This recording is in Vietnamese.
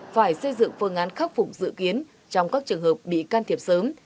phải xây dựng phương án khắc phục dự kiến trong các trường hợp bị can thiệp sớm